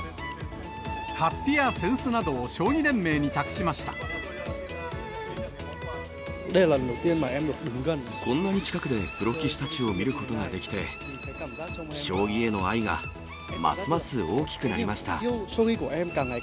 はっぴや扇子などを将棋連盟こんなに近くでプロ棋士たちを見ることができて、将棋への愛がますます大きくなりました。